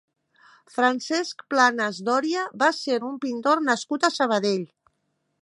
Francesc Planas Doria va ser un pintor nascut a Sabadell.